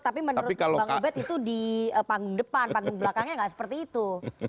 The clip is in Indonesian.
tapi menurut bang ubed itu di panggung depan panggung belakangnya nggak seperti itu